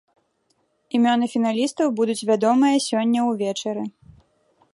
Імёны фіналістаў будуць вядомыя сёння ўвечары.